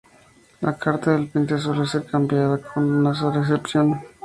La carta del pinte suele ser cambiada, con una sola excepción.